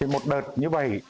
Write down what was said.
một đợt như vậy